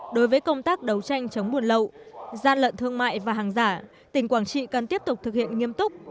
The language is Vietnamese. đối với công tác đấu tranh chống buồn lậu gian lận thương mại và hàng giả tỉnh quảng trị cần tiếp tục thực hiện nghiêm túc